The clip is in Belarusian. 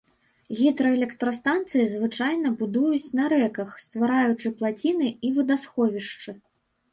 Гідраэлектрастанцыі звычайна будуюць на рэках, ствараючы плаціны і вадасховішчы.